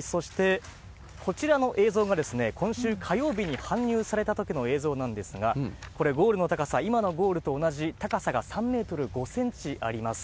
そして、こちらの映像が、今週火曜日に搬入されたときの映像なんですが、これ、ゴールの高さ、今のゴールと同じ、高さが３メートル５センチあります。